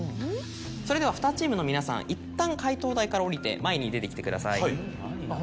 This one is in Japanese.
それでは２チームの皆さんいったん解答台から下りて前に出てきてください。